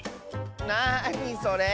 なにそれ！